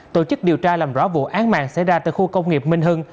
tổ chức điều tra làm rõ vụ án mạng xảy ra tại khu công nghiệp minh hưng